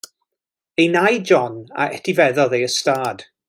Ei nai John a etifeddodd ei ystâd.